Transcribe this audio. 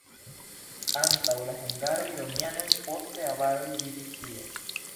Antaŭ la hungaroj romianoj, poste avaroj vivis tie.